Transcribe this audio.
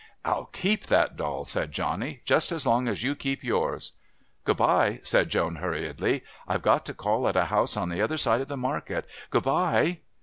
"I'll keep that doll," said Johnny, "just as long as you keep yours." "Good bye," said Joan hurriedly. "I've got to call at a house on the other side of the market.... Good bye."